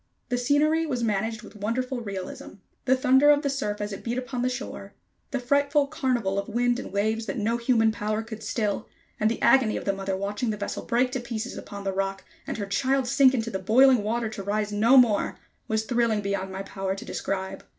The scenery was managed with wonderful realism. The thunder of the surf as it beat upon the shore, the frightful carnival of wind and waves that no human power could still, and the agony of the mother watching the vessel break to pieces upon the rock and her child sink into the boiling water to rise no more, was thrilling beyond my power to describe.